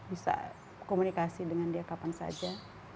bisa komunikasi dengan dia kapan saja